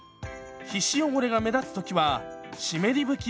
皮脂汚れが目立つ時は湿り拭き